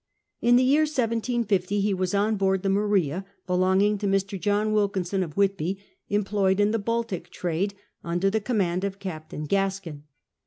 In the year 17.^0 he was on hoard the Maria, belonging to Mr. John Wilkinson of Whitby, employed in the Baltic trade, under the command of Captain • Gaskin.